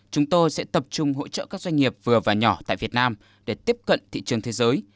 chúng tôi sẽ tập trung hỗ trợ các doanh nghiệp vừa và nhỏ tại việt nam để tiếp cận thị trường thế giới